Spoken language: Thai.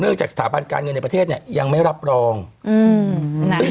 จากสถาบันการเงินในประเทศเนี้ยยังไม่รับรองอืม